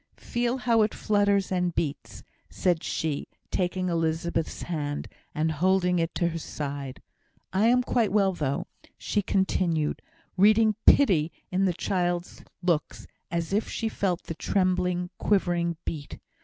Feel how it flutters and beats," said she, taking Elizabeth's hand, and holding it to her side. "I am quite well, though," she continued, reading pity in the child's looks, as she felt the trembling, quivering beat.